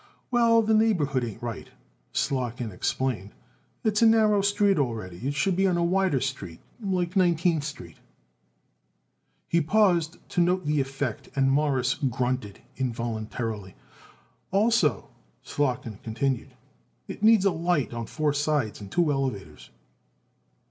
"Well, the neighborhood ain't right," Slotkin explained. "It's a narrow street already. It should be on a wider street like Nineteenth Street." He paused to note the effect and Morris grunted involuntarily. "Also," Slotkin continued, "it needs it light on four sides, and two elevators."